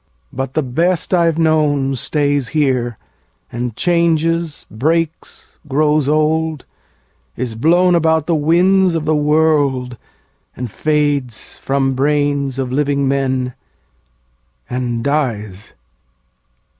... But the best I've known, Stays here, and changes, breaks, grows old, is blown About the winds of the world, and fades from brains Of living men, and dies.